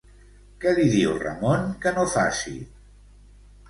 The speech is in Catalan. Què li diu Ramon que no faci?